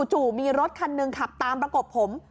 มีรถคันหนึ่งขับตามประกบผม